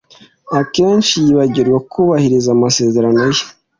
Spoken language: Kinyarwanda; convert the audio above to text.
Akenshi yibagirwa kubahiriza amasezerano ye.